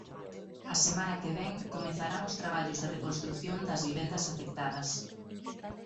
A semana que vén comezarán os traballos de reconstrución das vivendas afectadas.